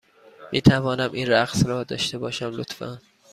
می توانم این رقص را داشته باشم، لطفا؟